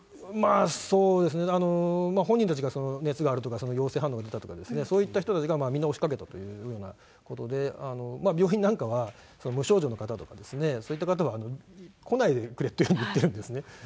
それですね、本人たちが熱があるとか、陽性反応が出たとか、そういった人がみんな押しかけたというようなことで、病院なんかは無症状の方とかですね、そういった方は来ないでくれというふうに言ってるんですね。